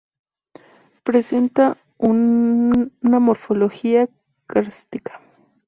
Presenta una morfología kárstica.